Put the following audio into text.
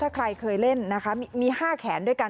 ถ้าใครเคยเล่นนะคะมี๕แขนด้วยกัน